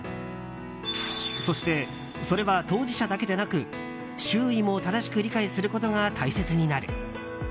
そして、それは当事者だけでなく周囲も正しく理解することが大切になる。